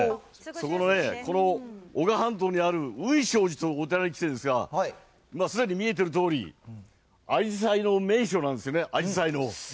この男鹿半島にある雲昌寺というお寺に来てるんですが、すでに見えているとおり、あじさいの名所なんですよね、あじさいの。